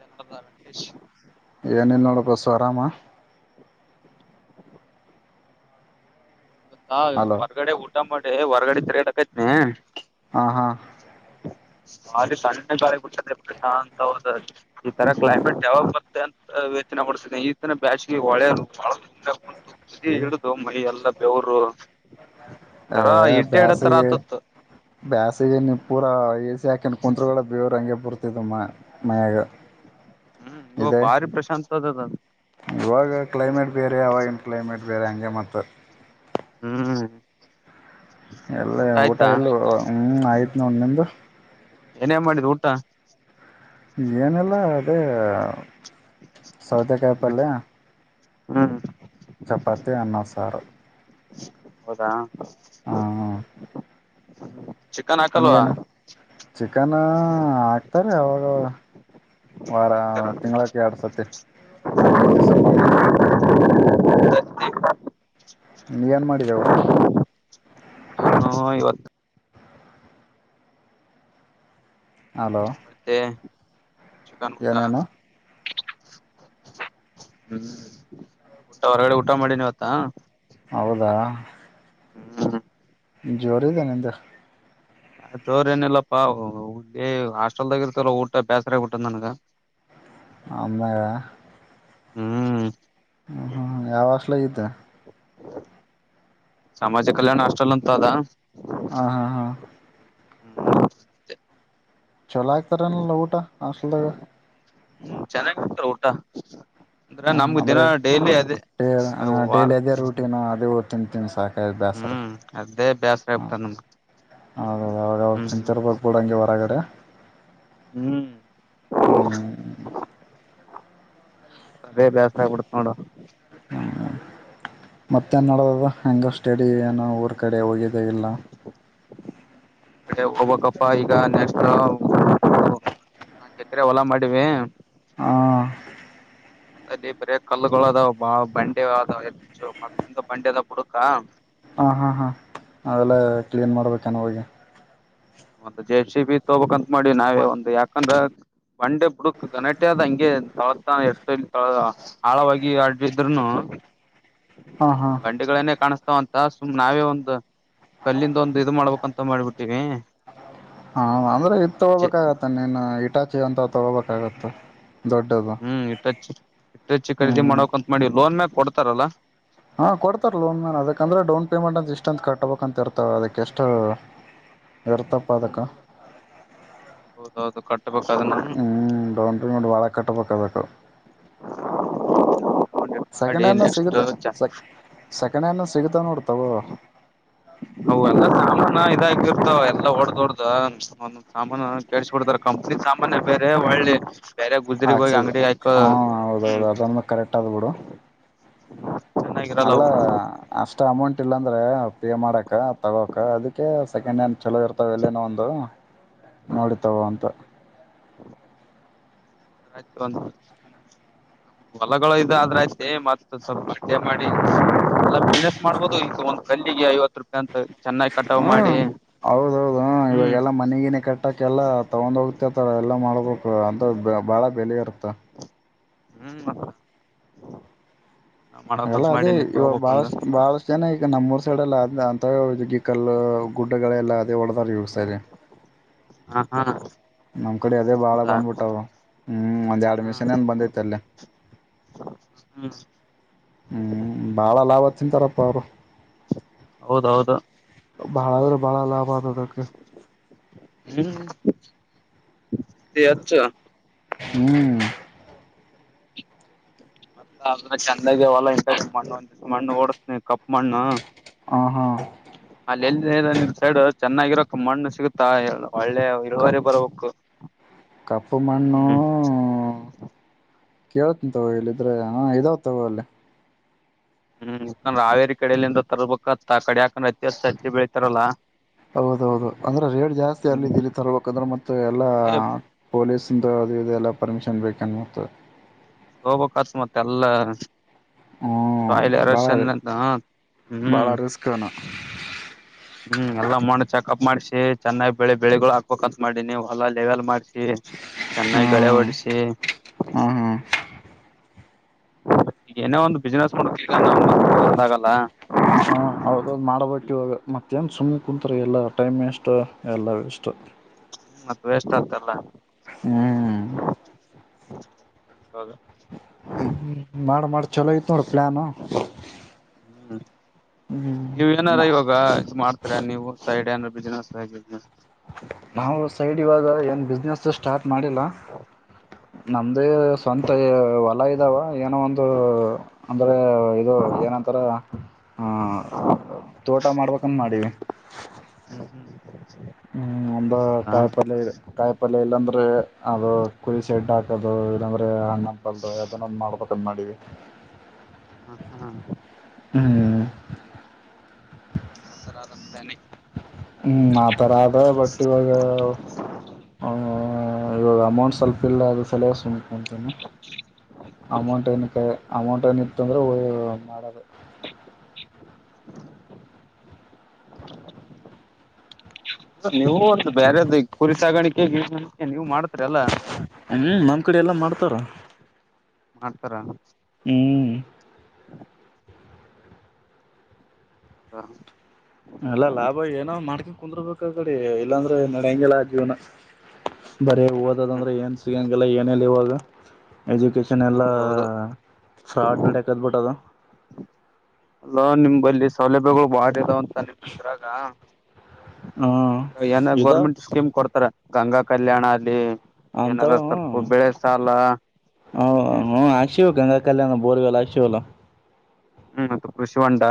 ಕನ್ನಡದ ವೆಂಕಟೇಶ್ ಏನಿಲ್ಲ ನೋಡ ಬಸು ಆರಾಮ ಅಲೋ ಹೊರ್ಗಡೆ ಊಟ ಮಾಡೆ ಹೊರ್ಗಡೆ ಡಕೈತನಿ ಹಾ ಹಾ ಬಾರಿ ತಣ್ಣೆ ಗಳಿ ಬಿಟ್ಟದೆಶಾಂತ ಹೌದ ಈ ತರ ಕ್ಲೈಮೇಟ್ ಡೆವಲಪ್ ಬತ್ತೆ ಅಂತ ವೋಚನೆ ಕೊಡ್ತ ಈತರ ಬ್ಯಾಿಗೆ ಒ ಇಿಡು ಮೈಿ ಎಲ್ಲ ಅವವರು ಆ ಬ್ಯಸಗೆ ಬ್ಯಸಗೆ ನೀ ಪೂರ ಹ್ಮ್ ಯಾಕೆ ಕುಂತ್ಗಳ ಬೇವ ಹಗೆ ಬರುತ್ತೆ ಇದು ಮಾ ಮಯಾಗ. ಹ್ಮ್ ಇವು ಭಾರಿ ಪ್ರಶಾತ್ ಅದದದು. ಕಲೈಮೇಟ್. ಬೇರೆ ಆ ಅವ ಇನ್ ಕ್ಲೈಮೇಟ್. ಬೇರೆ ಹಂಗೆ ಮತ್ತ. ಹ್ಮ್. ಎಲ್ಲ ಊಟ ಎಲ್ಲ ಹ್ಮ ಆಯ್ತು ನೋಡ್ ನಿಮ್ದು. ಏನೇ ಮಾಡಿದ್ ಊಟ. ಏನಿಲ್ಲ ಅದೇ. ಸೌದ ಕ ಪಾರಲ. ಹ್ಮ್. ಚಪಾತಿ ಅನ್ನ ಸಾರ. ಹೌದಾ. [unintelligible] ಚಿಕನ್ ಹಾಕಲ್ವಾ. ನೀವೇನು ಚಿಕನ್ ಹಾಕ್ತಾರೆ ಅವಾಗ ವಾರ ಹಾಕ್ತಾರ ತಿಂಗಳಕ ಎರಡು ಸತಿ ಹದಿನೈದು ದಿವ್ಸಕ್ಕೆೊಮ್ಮೆ. ಏನ್ ಮಾಡಿದೆೆ ಊಟ. ಹ್ಮ ಇವತ್ತು. ಹಲೋ ಚಪ್ಪತ್ತ. ಚಿಕನ್ ಗಊಟ. ಏನೇನು ಹ್ಮ್ ಊಟ ಹೊರಗಡೆ ಊಟ ಮಾಡಿನಿವತ್ತ. ಹೌದಾ. ಹ್ಮ್ ಹ್ಮ. ಜೋರಿದೆ ನಿದು. ಜೋರ್ ಏನಿಲ್ಲಪ್ಪಾ ಹುಿ ಹಾಸ್ಟೆಲ್ದಾಗ ಇರ್ತಲ್ಲ ಊಟ ಬೇಸರಾಗಬಊಟ ನನ್ಗ ಅಮ್ಮ. ಹ್ಮ್. ಹ್ಮ್ ಹ್ಮ್ ಯಾವ್ ಅಸ್ಲಾಗಿದ್ದೆ. [unintelligible] ಸಾಮಾಜ ಕಲ್ಯಾಣ ಅಷ್ಟಲ್ಲ ಉಂತ ಅದಾ. ಹಾ ಹಾ ಹಾ. ಹ್ಮ್ ಹಾಗೆ. ಚಲೋ ಆಗ್ತಾರೆಲ್ಲಲ್ಲ ಊಟ ಅಷ್ಟಲದಾಗ. ಹ್ಮ ಚೆನ್ನಾಗಿಕ್ತರ ಊಟ. ಅಂದ್ರೆ ಹಾಂ ಹಾಂ ನಮ್ಗ ದಿನ ಅಂದರೆ ಡೈಲಿ ಅದೇ ಡೇ ಅರ ವಾರ. ತನ್ ತನ್ ಸ. ಕಾಯ ಬೇಸರ ಹ್ಮ್ ಅದೇ ಬೇಸರ ಹಾಂ ಆಗ್ಬಿಟ್ಟ ನಮ್ ಹೌದೌದು ಅವಾಗ ಅವಾಗ ಹ್ಮ್ ತಿಂತರ್ಬೇಕು ಬಿಡಂಗೆ ಹೊರಗಡೆ ಹ್ಮ್ ಹ್ಮ್ಮ್. ಅದೇ ಬೇಸರ ಆಗ್ಬಿಡ್ತ ನೋಡ. ಮತ್ತ ನೆಡ್ಡದ ಹೆಂಗ ಸ್ಟೇಡಿ ಏನ- ಆ ಕಡೆ ಹೋಗಿದೆ ಎಲ್ಲ ಅ ಹೋಗಬಕಪ್ಪ ಈಗ ನೆಕ್ಸ್ಟ್ ನಾ ಕೆಕರೆ ಹೊಲಾ ಮಾಡಿವಿ ಹ ಅವತ್ತಲ್ಲಿ ಬರೇ ಕಲ್ಲುಗಳು ಅದಾವ ಬಾಳ ಬಂಡೆ ಅದ ಹೆಚ್ಚು ಮದದಿಂದ ಬಂಡೆ ಅದ ಬುಡುಕ ಹಾಂ ಹಾಂ ಹಾಂ ಆೆಲ್ಲ ಕ್ಲೀನ್ ಮಾಡ್ಬೇಕನು ಹೋಗಿ ಮತ್ ಜೆ ಸಿ ಬಿ ತಗೋಬೇಕ್ಂತ ಮಾಡಿ ನಾವೇ ಒಂದು ಯಾಕಂದ್ರ ಒನ್ ಡೇ ಬುಡುಕ್ ಗನಟೆ ಆದ ಹಂಗೆ ತೊಳತ ಎ ತಳ ಆಳವಾಗಿ ಆಡಿದ್ೂನು ಹಾಂ ಹಾಂ ಬಂಡಿಗಳನ್ನೇ ಕಾಣಿಸ ಅಂತ ಸುಮ್ ನಾವೇ ಒಂದು ಕಲ್ಲಿಂದ ಒಂದು ಇ ಮಾಡ್ಬೇಕಂತ ಮಾಡ್ಬಿಟ್ಟಿವಿ ಹ ಅಂದ್ರೆ ಇತ್ ತಗೋಬೇಕಾಗತ್ತ ನೀನ್ ಇಟ ಿ ಅಂತ ತೊಗೋಬೇಕಾಗುತ್ತೆ ಹ್ಮ್ ಇಟ್ಟಚ್ಚಿ ಇಟ್ಟಚ್ಚ ಖರೀದಿ ಹ್ಮ್ ಮಾಡಕಂತ್ ಮಾಡಿ ಲೋನ್ ಮ ಕೊಡ್ತಾರಲ್ಲ ಹಾ ಕೊಡ್ತಾರೆ ಲೋನ್ ನಾನ ಅದಕ್ಕೆಂದ್ರೆ ಡೌನ್ ಪೇಮೆಂಟ್ ಅಂತ ಇಷ್ಟಂತ ಕಟ್ಟಬೇಕಂತ ಇರ್ತಾವ ಅದಕ್ಕೆ ಎಷ್ಟ ಇರ್ತಪ್ಪ ಅದಕ್ಕ ಹೌದು ಹೌದು ಕಟ್ಟ ಹ್ಮ್ ಡೌನ್ ಪೇಮೆಂಟ್ ಬಳ ಕಟ್ಟಬೇಕಬೇಕು ಸೆಕೆಂಡ್ ಮಾಡಿ ಹ್ಯಂಡ್ ನ ನೆಕ್ಸ್ಟ್ ಸಿಗುತ್ತ ಚ ಸೆ ಸೆಕೆಂಡ್ ಹ್ಯಾಂಡ್ ಸಿಗತಾವ ನೋಡ್ ತಗೋ ಹ ಎಲ್ಲ ಸಾಮಾನ ಇದಾಗಿರ್ತವ ಎಲ್ಲಾ ಹೊಡ್ದ ಹೊಡ್ದ ಸಾಮಾನ ಕೆಡ್ಸಬಡ್ತಾರ ಕಂಪ್ನಿ ಸಾಮಾನ ಬೇರೆ ಒಳ್ಳೆ ಬೇರೆ ಗುಜರಿಗ್ ಹೋಗಿ ಹಾಕ್ಸಿದ್ದ ಅಂಗಡಿ ಹಾಕ ಹಾ ಹೌದೌದು ಅದನ್ನು ಕರೆಕ್ಟ್ ಆದ್ ಬಿಿಡು ಹ್ಮ ಅಲ್ಲ ಅಷ್ಟ ಅಷ್ಟು ಅಮೌಂಟ್ ಇಲ್ಲಾಂದ್ರೆ ಪೇ ಮಾಡಕ ತಗೋಕ ಅದಕ್ಕೆ ಸೆಕೆಂಡ್ ಹ್ಯಾಂಡ್ ಚಲೋ ಇರ್ತಾವ ಎಲ್ಲೇನೋ ಒಂದು ನೋಡಿ ತಗೋ ಅಂತ ಆಯ್ತು ಹೊಲಗಳು ಇದ ಆದ್ರೆ ಆಯ್ತು ಏ್ ಸ್ವಲ್ಪ ಅಡ್ೆ ಮಾಡಿ ಎ ಬಿನನೆಸ್ ಮಾಡ್ಬೋದು ಈ ಒಂದ್ ಕಲ್ಲಿಗೆ ಐವತ್ತು ರೂಪಾಯಿ ಅಂತ ಚೆನ್ನಾಗಿ ಕಟಾವ್ ಹ್ಮ ಮಾಡಿ ಹೌದೌದು ಹ ಹ್ಮ್ ಇವಾಗೆಲ್ಲಾ ಮನೆಗಿನ ಕಟ್ಟಕೆಲ್ಲ ತಗೊಂಡ್ ಹೋಗ್ತಿರ್ತರ ಎಲ್ಲ ಮಾಡ್ಬೇಕು ಅಂತ ಬಾಳ ಬೆಲೆ ಇತ್ತ ತ [inaudible] ಹ್ಮ್ ಮತ್ತ ನಾ ಅಲ್ಲ ಮಾಡಕಂತ ಅದೇ ಮಾಡೀನಿ ಇವಾಗ ತಗೋಬೇಕಂದು ಬಾಳಷ್ಟ್ ಬಾಳಷ್ಟು ಜನ ಈಗ ನಮ್ಮ್ೂಊರ್ ೈ ಅಂತ್ಯಗಿಕಲ್ ಗುಡ್ಡಗಳೆಲ್ಲ ಅದ ಹೊಡ್ಡದೇ ಹ ಹಾ ನಮ್ ಕಡೆ ಅದೇ ಬಾಳ ಹೌದಾ ಬಂದ್ಬಿಟ್ಟವ್ರು ಹ್ಮ್ ಒಂದ್ ಎರಡ್ ಹ್ಮ್ ಮಿಷನ್ ಏನ್ ಬಂದೈತ ಅಲ್ಲಿ ಹ್ಮ್ ಹ್ಮ್ ಬಾಳ ಲಾಭ ತಿಂತಾರಪ್ಪ ಅವ್ರು ಹೌದೌದು ಬಹಳ ಅಂದ್ರೆ ಬಹಳ ಲಾಭ ಆದದಕ್ಕೆ ಹ್ಮ ಸ ಅಚ್ಚ ಹ್ಮ್ ಮತ್ತ ಅ ಚೆಂದಾಗಿ ಹೊಲ ಇಂಟ ಮಣ್ಣು ಒ ಮಣ್ಣು ಓಡಸ್ನ ಕಪ್ ಮಣ್ಣ ಹ ಹಾ ಅಲ್ಲಿ ಎಲ್ಲಿ ಸೈಡ್ ಚೆನ್ನಾಗಿರಕ್ ಮಣ್ಣು ಸಿಗುತ್ತಾ ಹೇಳು ಕಪ್ ಕಪ್ಪು ಮಣ್ಣು ಹ್ಮ್ ಕೇಳತ್ಂತವು ಇಲ್ಲಿದ್ರೆ ಹ ಇದಾವತಾವ ಅಲ್ಲಿ ಹ್ಮ್ ಯಾಕಂದ್ರೆ ರಾವೇರಿ ಕಡೆಯಲ್ಲಿಿಂದ ತರ್ಬೇಕತ್ತ ಕಡೆ ಯಾಕಂದ್ರೆ ಅತಿಾಸ ಅಜಚ್ಚೆ ಬೆಳಿತಾರಲ್ಲಾ ಹೌದೌದು ಅಂದ್ರೆ ರೇಡ್ ಜಾಸ್ತಿ ಹ್ಮ್ ಅಲತಿ ಇಲ್ಲಿ ತರ್ಬೇಕಂದ್ರೆ ಮತ್ತೆ ಎಲ್ಲಾ ಏ ಪೊಲೀಸ್ ತು ಅದು ಇದೆ ಎಲ್ಲ ಪರ್ಮಿಷನ್ ಬೇಕನ್ಮತದೆ ಹೋಬಕ್ತ್ ಮತ್ತೆ ಎಲ್ಲ ಹ್ಮ್ ಸ್ಹಲ ಭಾಳ ಅರಸ ಭಾಳ ಹ್ಮ್ ರಿಸ್ಕನು ಹ್ಮ್ ಎಲ್ಲ ಮಾಡ ಚೆಕಪ್ ಮಾಡ್ಸಿ ಚೆನ್ನಾಗಿ ಬೆಳಿ ಬೆಳಿಗಳು ಹಾಕ್ಬೇಕಕ್ಂತ ಮಾಡಿನಿ ಹೊಲ್ಲಾ ಲೆವೆಲ್ ಮಾಡ್ಸಿ ಚನ್ನ ಹ್ಮ್ ಗಳಾವಡ್ಸ ಹ್ಮ್ ಹ್ಮ್ ಈ ಏನ ಒ ಬಿಸ್ಿನಸ್ಲ್ಲ ಹೌದ್ ಮಾಡ್ಬೇಕ ಇಿವಾಗ ಮತ್ತೇನ್ ಸುಮ್ಮನೆ ಕುೂಂತಾರೆ ಎಲ್ಲ ಟೈಮ್ ವೇಸ್ ಎಲ್ಲ ವೇಸ್ಟ್ ಹ್ಮ್ ಮದ ವಷ್ಟ ಆಗ್ತಲ್ಲ ಹ್ಮ್ ಹೌದಾ ್ಮ್ಮ ಮಾಡ ಮಾಡಿ ಚಲೋ ಇತ್ತು ನೋಡ ಪ್ಲಾಾನ ಹ್ಮ್ ನೀವ ಏನಾರ ನಾವು ಇವಾಗ ಇದು ಮಾಡ್ತರಾ ನೀವು ಸೈಡ್ ಬಿಿನಸ್ ಆ ನಾವು ಸೈಡ್ ಇವಾಗ ಏನ್ ಬಿಸ್ನೆಸ್ ಸ್ಟಾರ್ಟ್ ಮಾಡಿಲ್ಲ ನಮ್ದೇ ಸ್ವಂತ ಹೊಲ ಇದಾವ ಏನೋ ಒಂದು ಅಂದ್ರೆ ಇದು ಏನಂತಾರ ಹಾ ತೋಟ ಮಾಡ್ಬೇಕನ್ ಮಾಡಿ ಹ್ಮ್ ಒಂದು ಹೌದಾ ಕಾಯಿ ಪಲ್ಯ ಇ ಕಾಯಿ ಪಲ್ಯ ಇಲ್ಲಾಂದ್ರೆ ಅದು ಕುರಿ ಸೆಡ್ ಹಾಕದು ಇಲ್ಲಾಂದ್ರೆ ಹಣ್ಣ ಪಲ್ ಅದನ್ನೊಂದ್ ಮಾಡ್ಬೇಕ ಕ ಮಾಡೆ ಹಾ ಹಾ ಹ್ಮ್ ಹ ಸರ ಆರಾಮ್ ತನೆ ಹ್ಮ್ ಆತರ ಆದ ಬಟ್ ಇವಾಗ ಇವಾಗ ಅಮೌಂಟ್ ಸ್ವಲ್ಪ ಇಲ್ಲ ಆಗ ಸಲೋಸ ಅತೀನಿ ಅಮೌಂಟ್ ಎಕ್ಕೆ ಅಮೌಂಟ್ ಏನಿತ್ತು ಅಂದರೆ ಮಾಡೋದು ನೀವು ಒಂದು ಬೇರೆದ್ದ ಕುರಿ ಸಾಗಾಣಿಕೆಗ ಹ್ಮ್ ನಮ್ ಕಡೆ ಎಲ್ಲ ಮಾಡ್ ಉತ್ತರ ಮಾಡ್ತಾರ ಹ್ಮ್ ಹಾ ಎಲ್ಲಾ ಲಾಭ ಏನೋ ಮಾಡ್ಕೊಂಡ ಕುಂದರ್ಬೇಕ ಕಡೆ ಇಲ್ಲಾಂದ್ರೆ ನಡ ಹೆಂಗಗೆಿಲ್ಲ ಜೀವನ ಬರೇ ಓದ ಹ್ಮ್ ಅ್ರ ಏನ್ ಸಿಗಂಗ ಎಲ್ಲ ಏನೇಲ್ಲಿ ಇವಾಗ ಎಜುಕೇಶನ್ ಎಲ್ಲಾ ಹೌದೌದು ಫ್ರಾಡ್ ನಡಕದ್ಬಿಟ್ಟ ಅದು ಅಲ್ಲ ನಿಮಲ್ಲಿ ಸೌಲಭ್ಯಗಳು ಬಾಾವ ನಿಮ್ ಇದ್ರಾಗ ಹ್ಮ ಏನ ಇದ ಗೌರ್ಮೆಂಟ್ ಸ್ಕೀಮ್ ಕೊಡ್ತಾರ ಗಂಗಾ ಕಲ್ಯಾಣ ಅಲ್ಲಿ ಅಂತ ಏನಾರ ಸ್ವಲ್ಪ ಬೆಳೆ ಸಾಲ ಹ್ಮ್ ಆಶಿವಿವ ಕಂದ ಕಲ್ಯಾಣ ಬೋರ್ವಲ್ಲ ಶವಲ್ಲ ಹ್ಮ್ದು ಕೃಷಿಿವಟಾ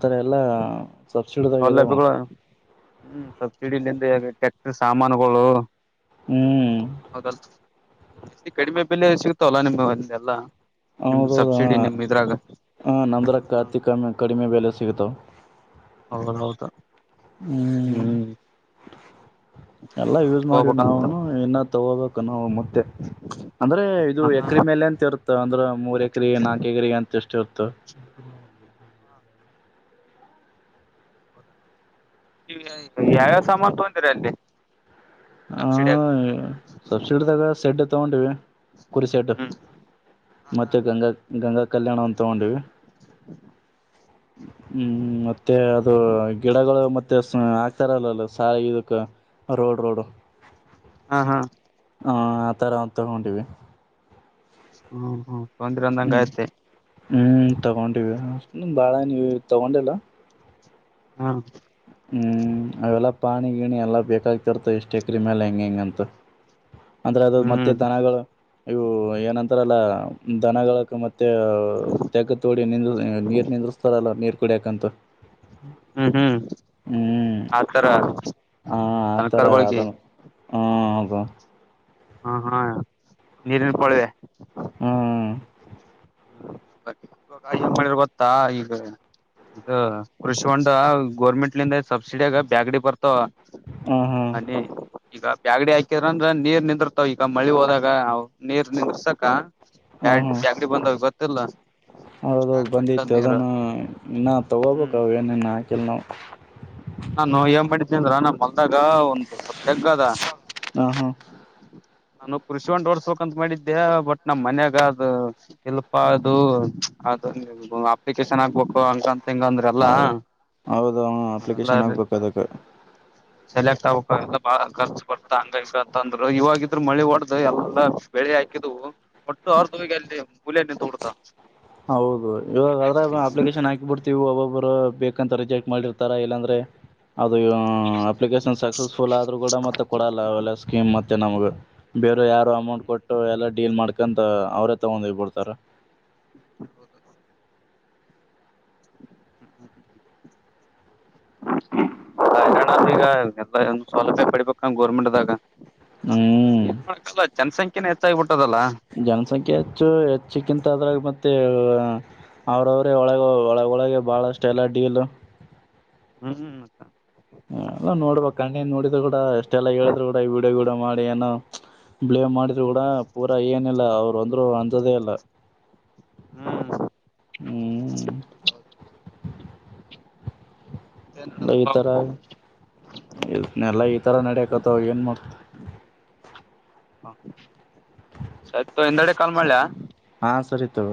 ಈ ಥರ ಎಲ್ಲ ಸೌಲಭ್ಯಗಳು ಹ್ಮ್ ಸಬ್ಸಿಡಿ ಇಲ್ಲ ಟ್ಯಾಕ್ಟರ್ ಸಾಮಾನುಗಳು ಹ್ಮ್ ಹೌದಲ್ ಅತಿ ಕಡಿಮೆ ಬೆಲೆ ಸಿಗ್ತಾವಲ್ಲಾ ನಿಮ್ಮ್ ಅ ಎಲ್ಲಾ ನಿಮ್ ಹೌದೌದ ಸಬ್ಸಿಡಿ ಹ ನಿಮ್ ಇದ್ರಾಗ ಹ ನಂದ್ರ ಕತಿ ಕಮ್ಮ ಕಡಿಮೆ ಬೆಲೆ ಸಿಿತ ಹೌದೌದು ಹ್ಮ್ ಎಲ್ಲ ನಾವು ಯೂಸ್ ಮಾಡವಿ ತಗೋಬೇಕಂತ ನಾವವುನು ಇನ್ನ ತಗೋಬೇಕು ನಾವು ಮತ್ತೆ ಅಂದ್ರೆ ಇದು ಹ ಎಕ್ರ ಹ ಮೇಲೆ ಅಂತ ಇರುತ್ತ ಅಂದ್ರೆ ಮೂರ್ ಎಕ್ರ ನಾಕು ಎಕ್ರಿ ಅಂತ ಎಷ್ಟ ಇರುತ್ತ ಹ ಯಾವ್ಯಾವ ಸಮಥ ರೆ ಹಾ ಸಬ್ಸಿಡಿ ತಾಗ ಸೆಡ್ ಇ ಉಂಿವವಿ ಕುರಿಸೆಡ್ ಹ್ಮ್ ಮತ್ತೆ ಗಂಗಾ ಗಂಗಾ ಕಲ್ಯಾಣ ಅಂತ ತಗೊಂಡವಿ ಹ್ಮ್ ಮತ್ತೆ ಅದು ಗಿಡಗಳು ಮೆ ಆಗ್ತಾರಲ್ಲಲ್ಲ ಸ ಇದಕ್ ರೋಡ್ ರೋಡ್ ಹಾ ಹಾ ಹ ಆ ತರ ತಗೊಂಡಿವಿ ಹ್ಮ್ ಹ್ಮ್ ತೊಂದರ ಅಂದಂಗ ಹ್ಮ್ ಯ್ತೆ ಹ್ಮ್ ತಗೊಂಡಿವಿ ಅಷ್ಟ ಬಾಳ ನೀ ತಗೊಂಡಿಲ್ಲ ಹಾ ಹ್ಮ್ ಅವೆಲ್ಲ ಪಾಣಿ ಗಿಣಿ ಎಲ್ಲ ಬೇಕಾಗ್ತಿರ್ತಾವ ಎಷ್ಟು ಎಕ್ರ ಮೇಲೆ ಹೆಂಗೆ ಹೆಂಗಂತ ಅಂದ್ರೆ ಅದ ಮತ್ತೆ ಹ್ಮ್ ದನಗಳು ಇವು ಏನಂತ ಾರಲ್ಲ ದನಗಳಕ ಮತ್ತೆ ತೆಗ ತೋಡಿ ನಿ ನೀರ್ ನಿಂದ್ರಿಸ್ತಾರಲ್ಲ ನೀರ್ ಕುಡಿಯಕಂತೂ ಹ್ಮ್ ಹ್ಮ್ ಆತರ ಹ ಆತರ ತನಕರ್ಗಳಗೆ ಅದನು ಹ ಅದು ಹಾ ಹಾ ನೀರಿನ ಪಳವೆ ಹ್ಮ್ ಹ್ಮಿರ್ಬತ್ತಾ ಈಗ ಇ ಕೃಷಿ ಹಂಡ ಗೋರ್ಮೆಂಟ್ಲಿಂದ ಸಬ್ಸಿಡಿಯಾಗ ಬ್ಯಾಗಡಿ ಬರ್ತ ಹ ಹಾ ಅ ಈಗ ಬ್ಯಾಗಡಿ ಹಾಕಿದರ ಅಂದ್ರ ನೀರ್ ನಿಂದ್ರ ಈಗ ಮಳಿ ಹೋದಾಗ ನೀರ್ ನಿರ್ಸಕ ಯ ಯಕಡಿ ಬಂದಾವ್ ಗೊತ್ತ ಇಲ್ಲ ಹೌದ ಬಂದಿತ್ತು ಅದನ್ನು ಇನ್ನ ತಗೋಬೇಕ ಹ್ಮ್ ಅವ ನ ಇನ್ ಹಾಕಲ್ ನಾವ ನಾನು ಏನ್ ಮಾಡಿದ್ದೇ ಅಂದ್ರ ನಾ ಮಲ್ದಾಗ ಒಂದಂದು ಸ್ವಲ್ ತೆಗ್ಗ ಅದ ಹ ಹಾ ನಾನು ಕೃಷಿ ಒೊಂಡ್ ಓಡಸ್ಬೇಕಂತ ಮಾಡಿದ್ದೆ ಬಟ್ ನಮ್ ಮನ್ಯಾಗ ಅದು ಇಲ್ಪ ಅದು ಅ ಅಪ್ಲಿಕೇಶನ್ ಆಕ್ಬೇಕು ಅಂತಂತ ತೆಂಗ ಅಂದ್ರ ಅಲ್ಲ ಚೆನ್ನಾಗ್ಬೇಕು ಅದಕ್ಕೆ ಸೆಲೆಕ್ಟ್ ಆಗ್ಕ್ ಬಾಳ ಖರ್ಚು ಬರ್ತಾ ಹಂಗಂಗಂತ ಅಂದ್ರ ಇವಾಗಿದ್ರರು ಮಳೆ ಒಡೆ್ದ ಎಲ್ಲಲ್ಲ ಬೆಳೆ ಹಾಕಿದವು ಹೊಟ್ಟು ಅವ ದ ಗರಿ ಮೂಲೆನ್ನ ತೊಡ್ತಾ ಹೌದು ಇವಾಗ್ರೆ ಅಪ್ಲಿಕೇಶನ್ ಹಾಕಿಬಿಡ್ತಿೀವಿ ಒಬ್ಬೊಬ್ಬರ ಬೇಕಂತ ರಿಜೆಕ್ಟ್ ಮಾಡಿರ್ತಾರ ಇಲ್ಲಾಂದ್ರೆ ಅದು ಅಪ್ಲಿಕೇಶನ್ ಸಕ್ಸಸ್ಫುಲ್ ಆದ್ರೂ ಕೂಡ ಮತ್ತೆ ಕೊಡಲ್ಲ ಅವೆಲ್ಲ ಸ್ಕೀಮ್ ಮತ್ತೆ ನಮಗ ಬೇರೆ ಯಾರು ಅಮೌಂಟ್ ಕೊಟ್ಟು ಎಲ್ಲ ಡೀಲ್ ಮಾಡ್ಕಂತ ಅವ್ರೇ ತಗೊಂಡೋಗಬಿಡ್ತಾರ ಹೌದೌದು ಹ್ಮ ಹ್ಮ್ ಹ್ಮ್ಮ ಈಗ ಎಲ್ಲ ಸೌಲಭ್ಯ ಪಡಿಬೇಕ ಹ ಗೋರ್ಮೆಂಟ್ದಾಗ ಹ್ಮ್ ಏನ್ ಮಾಡಕಲ್ಲ ಜನಸಂಖ್ಯನ ಜನಸಂಖ್ಯೆ ಹೆಚ್ಚು ಹೆಚ್ಚಕ್ಕಿಂತ ಅದ್ರಾಗ ಮತ್ತೆ ಮತ್ತು ಅವ್ರವ್ರೇ ಒಳಗೆ ಒಳಗೊಳಗೆ ಬಹಳ ಅಷ್ಟ ಎಲ್ಲ ಡೀಲು ಹ್ಮ್ ಹ್ಮ್ ಮ ಎಲ್ಲ ನೋಡ್ಬಣ್ಣ ನೋಡಿದ್ರರು ಕೂಡಷ್ಟ ಎಲ್ಲ ಹೇಳಿದ್ರು ಕೂಡ ಈ ವಿೀಡೋ ಗಿಡೋ ಮಾಡಿ ಏೋ ಬ್ಲೇಮ್ ಮಾಡಿದ್ರು ಕೂಡ ಪೂರಾ ಏನಿಲ್ಲ ಅವರು ಅಂದ್ರು ಅನ್ದೇ ಇಲ್ಲ ಹ್ಮ್್ಮ ನಡದ ಬವು ಇ ಎಲ್ಲಾ ಈ ತರ ನಡಕತ್ತವ ಏನ್ ಮಾಡಕ್ತ ಹಾ ಸತ್ ಹಿಂದೆಡೆ ಕಾಲ್ ಮಾಡಯ ಚರಿತ್ರ